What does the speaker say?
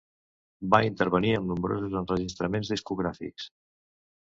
Va intervenir en nombrosos enregistraments discogràfics.